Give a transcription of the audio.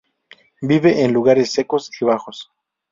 Vive en lugares secos y bajos.